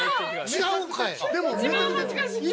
違うんかい。